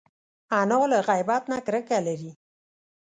انا له غیبت نه کرکه لري